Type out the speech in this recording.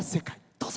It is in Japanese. どうぞ。